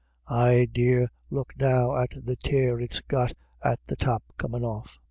Ah dear, look now at the tear it's got at the top comin* off."